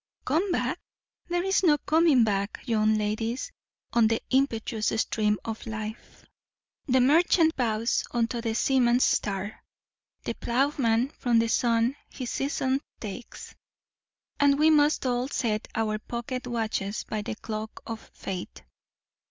Come back? There is no coming back, young ladies, on the impetuous stream of life. 'The merchant bows unto the seaman's star, The ploughman from the sun his season takes.' And we must all set our pocket watches by the clock of fate.